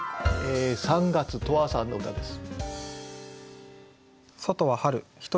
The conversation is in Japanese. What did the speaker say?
三月とあさんの歌です。